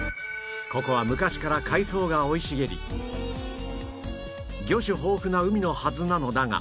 ここは昔から海藻が生い茂り魚種豊富な海のはずなのだが